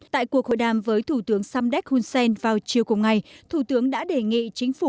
tại cuộc hội đàm với thủ tướng samdek hun sen vào chiều cùng ngày thủ tướng đã đề nghị chính phủ